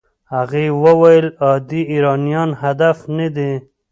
هغه وویل عادي ایرانیان هدف نه دي.